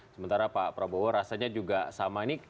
sementara pak prabowo rasanya juga sama ini